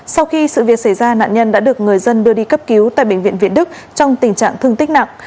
sau khi sự việc xảy ra nạn nhân đã được người dân đưa đi cấp cứu tại bệnh viện việt đức trong tình trạng thương tích nặng